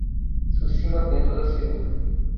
Ceucimar Bento da Silva